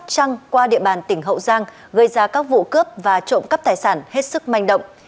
các đối tượng từ sóc trăng qua địa bàn tỉnh hậu giang gây ra các vụ cướp và trộm cắp tài sản hết sức manh động